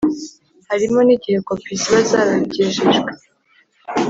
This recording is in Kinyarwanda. Harimo n igihe kopi ziba zaragejejwe